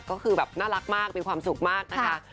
ก็คือแบบน่ารักมากมีความสุขมากนะคะ